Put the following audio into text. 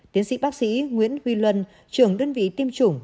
tiến sĩ bác sĩ nguyễn huy luân trưởng đơn vị tiêm chủng